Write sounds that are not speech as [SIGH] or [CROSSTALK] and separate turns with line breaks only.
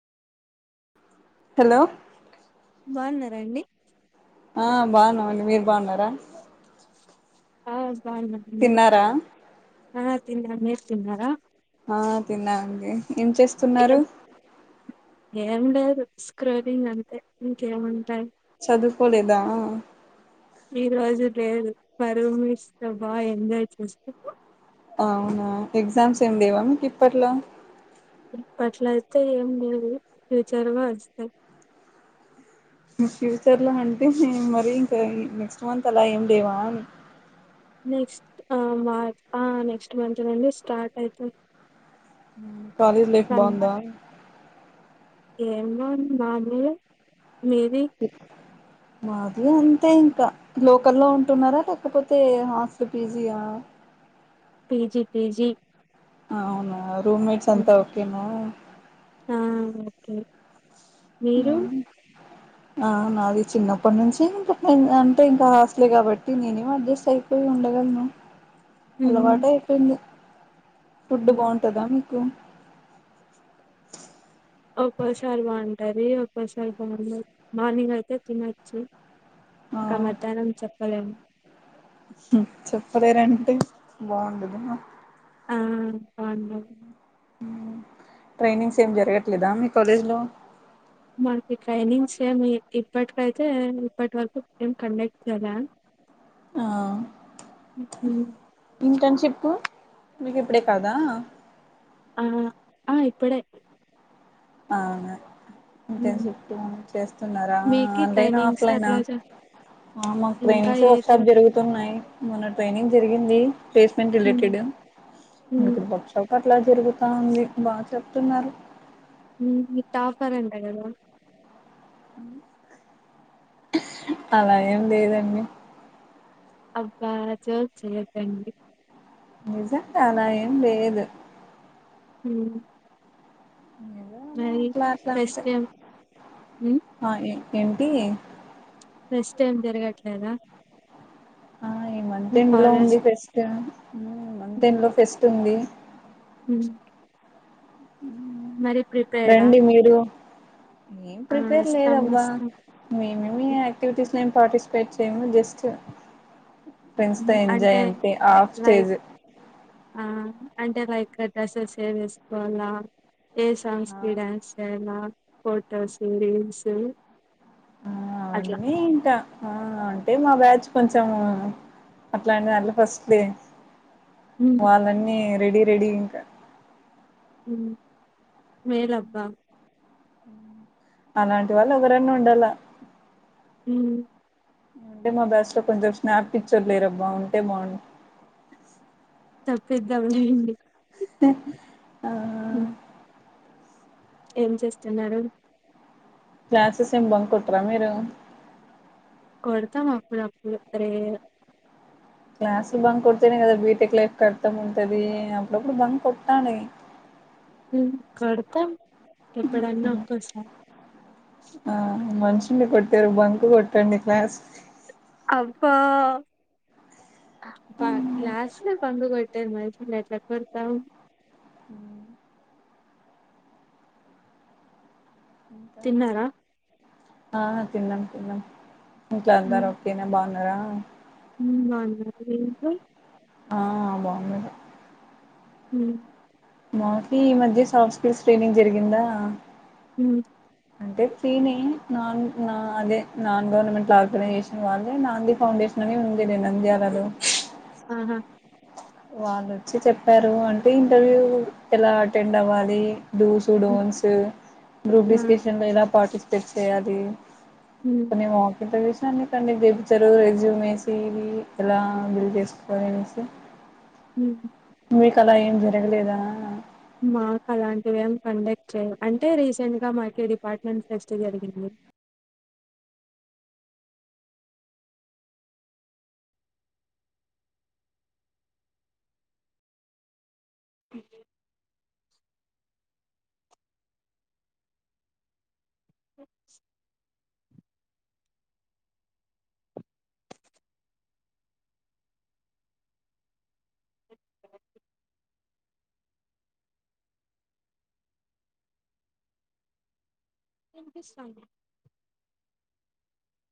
Hello
బాన్నారాండి
ఆ బాన్నామండి మీరు బాన్నారా
ఆ బాన్నాం మీరు ఆ తిన్నాం మీర్ తిన్నారా
ఆ తిన్నామండి ఏం చేస్తున్నారు
ఏం ఏం లేదు స్క్రోలింగ్ అంతే ఇంకేముంటాయ్
చదువుకోలేదా
ఈ రోజు లేదు మా రూమ్మేట్స్తో బా ఎంజాయ్ చేశాము
అవునా ఎగ్జామ్స్ ఏం లేవ మీక్ ఇప్పట్లో
ఇప్పట్లైతే ఏం లేవు ఫ్యూచర్లో వస్తాయ్
మ్ ఫ్యూచర్ లో అంటే ఏం మరి ఇంకా ఎ ఇ నెక్స్ట్ మంత్ అలా ఏం లేవానీ
నెక్స్ట్ ఆ మార్ ఆ నెక్స్ట్ మంత్ నుండి స్టార్ట్ అయితాయ్
హ్మ కాలేజ్ లైఫ్ బందా
ఏం బాగ్ బాగే మిది
మాది అంతే ఇంకా లోకల్లో ఉంటున్నారా లేకపోతే హాస్టల్ పీజీయా
పీజి పీజీ
అవునా రూమ్మేట్స్ అంతా ఓకేనా
ఆ ఓకే మీరు
ఆ నాది చిన్నప్పడు నుంచి ఇంక నేను అంటే ఇంకా ఆస్లే కాబట్టి నేనేం అడ్జస్ట్ అయిపోయి ఉండగలను. అలవాట అయిపేంది ఫుడ్డ్ బాగుంటదా మీకు
ఒక్కోసారి బాగుంటది ఒక్కోసారి బాగుండదు మార్నింగ్ అయితే తినొచ్చు
ఆ
ఇంకా మధ్యాహ్నం చెప్పలేం
హ్మ్ చెప్పలేరంటే బాగుండదా
ఆ బాగుండదు
అ ట్రైనింగ్స్ ఏం జరగట్లేదా మీ కాలేజ్ లో
మనకి ట్రైనింగ్స్ ఏమి ఇప్పటికైతే ఇప్పటి వరకు ఏం కండక్ట్ చేయల.
ఆ హ్ ఇంటర్న్షి మీకు ఇప్పుడే కాదా
ఆ ఆ ఇప్పుడే
అవునా ఇంకేం
ఉమ్.
చెప్పు చేస్తున్నారా
మీకి
ఆన్లైనా,
ట్రైనింగ్స్
ఆఫ్లైనా.
అట్లా జ-
ఆ మాకు
ఇంకా
ట్రైనింగ్స్ వర్క్
ఏది
షాప్ జరుగుతున్నాయ్. మొన్న ట్రైనింగ్ జరిగింది ప్లేస్మెంట్
ఉమ్,
రిలేటెడ్
ఉమ్,
ఇప్పుడు వర్క్ షాప్ అ ట్లా జరుగుతాంది బాగ చెప్తున్నారు
మీ మీ టాపర్ అంట కదా
అలా ఏం లేదండి
అబ్బా జోక్ చేయద్దండి
నిజంగాన యేం లేేదు
హ్మ్
ఏదో అలా
మరి
అట్లా అట్లా అంతే
ఫెస్ట్ ఏం హ్మ్
ఏమిటి
ఫెస్ట్ ఏం జరగట్లేదా
ఆ ఈ మంత్
మీ
ఎండ్ లో
కాలేజ్
ఉంది ఫెస్ట్ మ్మ్ మంత్ ఎండ్ లో ఫెస్ట్ ఉంది
హ్మ్ మరి
రండి మీరు ఏం
ఆ
ప్రిపేర్
వస్తాం
లేదబ్బా
వస్తాం
మేమేమి యాక్టివిటీస్ మేం పార్టిసిపేట్ చేయము జస్ట్ ఫెండ్స్ తో
అంటే
ఎంజాయ్ అంతే ఆఫ్
లైక్
స్టేజ్
ఆ అంటే లైక్ డ్రెస్సెస్ ఎమ్ వేసుకోవాలా ఏ సాంగ్స్ కి డ్యాన్స్ చేయలా పోటోస్ వీడియోస్
ఆ అవన్నీ ఇంట అంటే మా బ్యాచ్ కొంచెం అట్లాంటి దాంట్లో ఫస్ట్ లే
ఉమ్,
వాళ్ళన్నీ రెడిీ రెడిీ ఇంకా
ఉమ్ మేలబ్బా
అలాంటి వాళ్ళు ఎవరన్నా ఉండాల
ఉమ్
ఉంటే మా బ్యాస్ లో కొంచెం స్నాప్ పిచ్చోలు లేరబ్బా ఉంటే బాగుండు
తప్పిద్దాండి
ఆ
[INAUDIBLE] ఏం చేస్తున్నారు
క్లాసెస్ ఎం బంకుకోటారా మీరు
కొడతాం అప్పుడు అప్పుడు రేర్
క్లాసులు బంకు కొడితినే కదా బీటెక్ లైఫ్ కి అర్థం ఉంటది అప్పుడప్పుడు బంకు కొట్టాలి
ఉమ్ కొడతామ్
హుహు ఆ మంచ్ ఎందుకు కొట్టారు బంక్ కొట్టండి క్లాస్
అబ్బా బ క్లాస్ లో బంకు కొట్టారు మరి మర్ ఎట్లా కొడతావ్
ఉమ్ ఇంకా
తిన్నారా
ఆ తిన్నాం తిన్నాం ఇంట్ల అందర్
ఉమ్,
ఓకే నా బాగున్నా అ
ఉమ్ బాన్నార మీ ఇంట్లో
ఆ బాగున్నార్
హు
మాఫీ ఈ మధ్య సాఫ్ట్ స్కిల్స్ ట్రైనింగ్ జరిగిందా
ఉమ్
అంటే ఫ్రీనే నాన్ నాదే నాన్ గవర్నమెంట్ ఆర్గనైజేషన్ వాళ్ళే నాంది ఫౌండేషన్ అని ఉందిలే నంద్యాల్ హాలో
ఆహా!
వాళ్ళుొచ్చి చెప్పారు అంటే ఇంటర్వ్యూ ఎలా అటెండ్ అవ్వాలి
హ్మ్.
డూసూడోన్స్, గ్రూప్
ఆ!
డిస్కషన్ లో ఎలా పార్టిసిపేట్ చేయాలి?
హ్మ్.
కొన్ని మాక్ ఇంటర్వ్యూస్ దాన్ని కండక్ట్ జెపిచ్చరూ రెజ్యూమేసి ఎలా బిల్ చేసుకోవాలి అనేసి?
ఉమ్ హ్
మీకు అలా ఏం జరగలేదా?
మాకు అలాంటివి ఏం కండక్ట్ చేయరు, అంటే రీసెంట్గా మాకిగ డిపార్ట్మెంట్ ఫెస్ట్ జరిగింది. [UNINTELLIGIBLE] ఇన్పిస్తాంది.